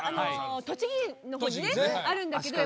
栃木の方にねあるんだけど。